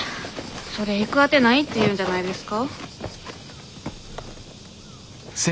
それ行く当てないって言うんじゃないですか。